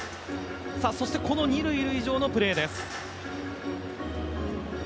そしてこの二塁上のプレーです。